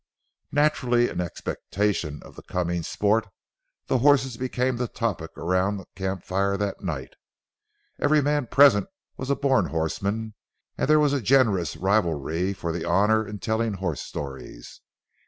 Naturally, in expectation of the coming sport, the horses became the topic around the camp fire that night. Every man present was a born horseman, and there was a generous rivalry for the honor in telling horse stories.